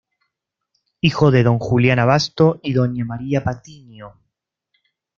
Hijo de Don Julián Abasto y Doña María Patiño.